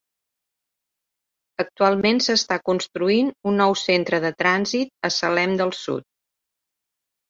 Actualment s'està construint un nou Centre de Trànsit a Salem del Sud.